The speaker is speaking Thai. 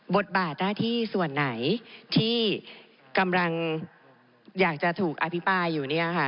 บทบาทหน้าที่ส่วนไหนที่กำลังอยากจะถูกอภิปรายอยู่เนี่ยค่ะ